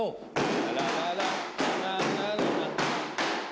タララララタララララ！